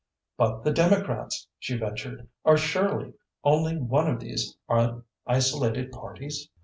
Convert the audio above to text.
"But the Democrats," she ventured, "are surely only one of these isolated parties?"